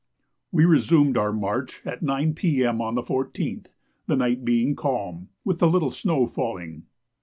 We resumed our march at 9 P.M. on the 14th, the night being calm, with a little snow falling.